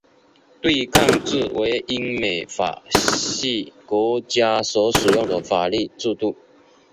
对抗制为英美法系国家所使用的法律制度。